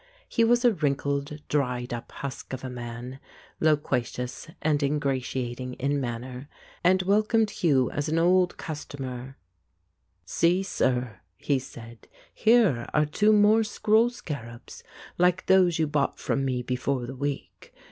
He was a wrinkled, dried up husk of a man, loquacious and ingratiating in manner, and welcomed Hugh as an old customer, M 185 The Ape "See, sir," he said, "here are two more scroll scarabs like those you bought from me before the week.